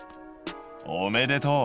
おめでとう！